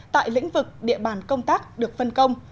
tại lĩnh vực địa bàn công tác được phân công